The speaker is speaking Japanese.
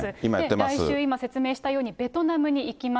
来週、今説明したように、ベトナムに行きます。